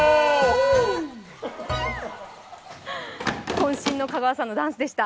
こん身の香川さんのダンスでした。